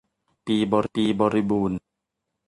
ปีบริบูรณ์